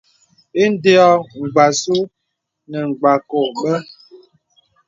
Indē ɔ̄ɔ̄. Mgbàsù nə̀ Mgbàkɔ bə.